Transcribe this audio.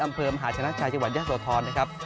อำเภอมหาชนักชายชะวัญยสโทรนะครับ